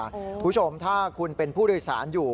คุณผู้ชมถ้าคุณเป็นผู้โดยสารอยู่